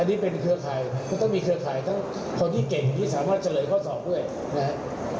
อันนี้เป็นเครือข่ายมันต้องมีเครือข่ายทั้งคนที่เก่งที่สามารถเฉลยข้อสอบด้วยนะครับ